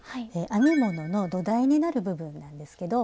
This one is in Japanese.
編み物の土台になる部分なんですけど。